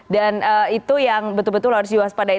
dan itu yang betul betul harus diwaspadai